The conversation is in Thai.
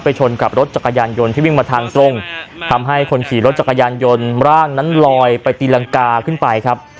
ชนกับรถจักรยานยนต์ที่วิ่งมาทางตรงทำให้คนขี่รถจักรยานยนต์ร่างนั้นลอยไปตีรังกาขึ้นไปครับ